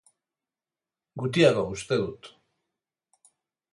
Gutiago, uste dut.